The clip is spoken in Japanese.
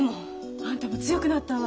あんたも強くなったわ。